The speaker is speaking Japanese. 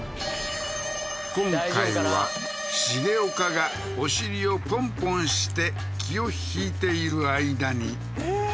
今回は重岡がお尻をポンポンして気を引いている間にええー